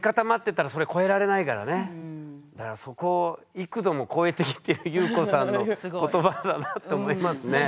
そうかだからそこを幾度も超えてきてるゆうこさんの言葉だなって思いますね。